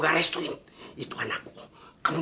tidak ada yang mau diinkalkan jadi kenapa ya